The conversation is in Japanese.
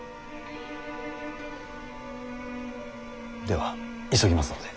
では急ぎますので。